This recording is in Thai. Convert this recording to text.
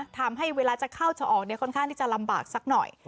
ทำให้เวลาจะเข้าจะออกเนี่ยค่อนข้างที่จะลำบากสักหน่อย